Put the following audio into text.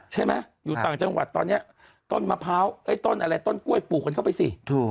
ใช่ไหมอยู่ต่างจังหวัดตอนนี้ต้นมะพร้าวต้นอะไรต้นกล้วยปลูกกันเข้าไปสิ